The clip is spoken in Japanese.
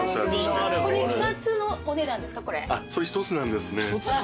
それ１つなんですね。